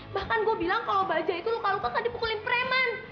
bahkan gue bilang kalau bajie itu luka lukakan dipukulin preman